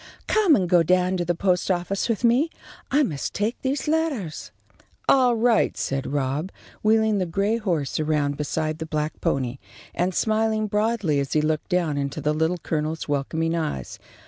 "Come and go down to the post office with me. I must take these lettahs." "All right," said Rob, wheeling the gray horse around beside the black pony, and smiling broadly as he looked down into the Little Colonel's welcoming eyes.